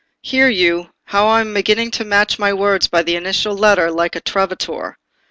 Hear you, how I am beginning to match my words by the initial letter, like a Trovatore?